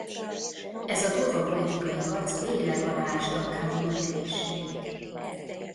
Ez a durva politikai harc végleg aláásta Cavour egészségét.